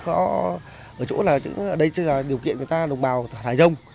ở đây điều kiện người ta đồng bào thả rông